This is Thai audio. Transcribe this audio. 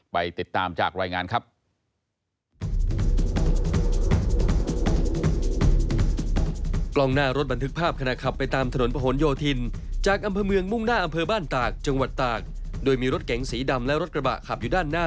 ไปติดตามจากรายงานครับ